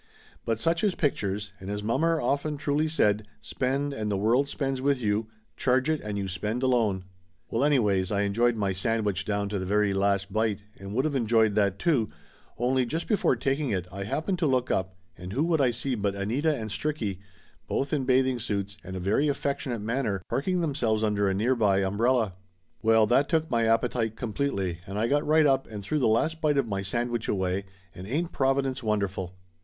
But such is pic tures, and as mommer often truly said "Spend and the world spends with you, charge it, and you spend alone." Laughter Limited 267 Well anyways, I enjoyed my sandwich down to the very last bite, and would of enjoyed that, too, only just before taking it, I happened to look up, and who would I see but Anita and Stricky, both in bathing suits and a very affectionate manner, parking them selves under a near by umbrella. Well, that took my appetite completely, and I got right up and threw the last bite of my sandwich away and ain't Providence wonderful?